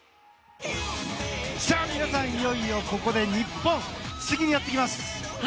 じゃあ皆さんいよいよ、ここで日本次、やってきます。